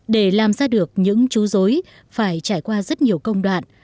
để làm ra được những chú rối phải trải qua rất nhiều công đoạn